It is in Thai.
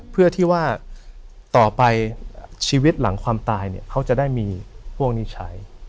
เพื่อที่ว่าต่อไปชีวิตหลังความตายเนี่ยเขาจะได้มีพวกนี้ใช้